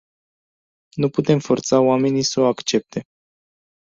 Nu putem forța oamenii să o accepte.